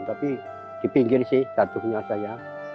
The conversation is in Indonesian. tapi di pinggir sih jatuhnya saya